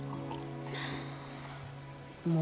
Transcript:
もう。